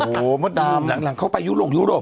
โหหมดดำหลังเขาไปยุโรป